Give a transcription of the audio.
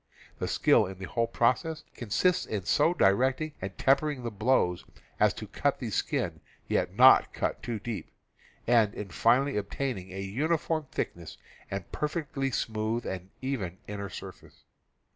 The skill in the whole process consists in so directing and tempering the blows as to cut the skin, yet not cut too deep, and in finally obtaining a uniform thickness and perfectly smoothe and even inner surface.